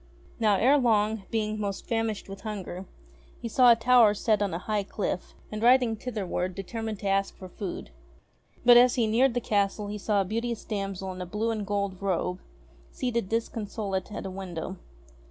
Now, ere long, being most famished with hunger, he saw a tower set on a high cliff, and riding thitherward determined to ask for food. But as he neared the castle he saw a beauteous damsel in a blue and gold robe seated disconsolate at a window.